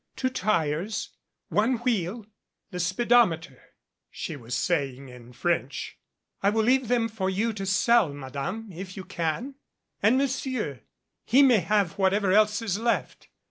"Two tires, one wheel the speedometer," she was say ing in French. "I will leave them for you to sell, Madame, if you can. And Monsieur he may have what ever else is left.